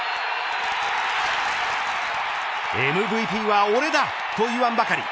ＭＶＰは俺だと言わんばかり。